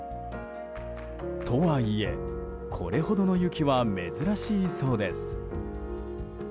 とはいえこれほどの雪は珍しいそうです。